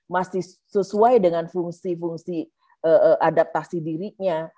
masih sesuai dengan fungsi fungsi adaptasi dirinya